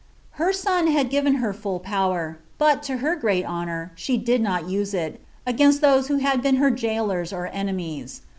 Her eon bad given her full power, but, to her great honour, she did ot nee it, against those who had been lier gaolers or enemies.